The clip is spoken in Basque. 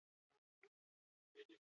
Komedia eta drama uztartuko dituzte.